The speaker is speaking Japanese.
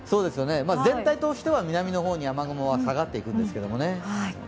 全体としては南の方に雨雲は下がっていくんですけどね。